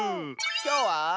きょうは。